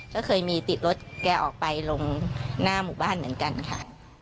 ก็เคยมีติดรถแกออกไปลงหน้าหมู่บ้านเหมือนกันค่ะ